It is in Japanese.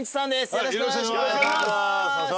よろしくお願いします。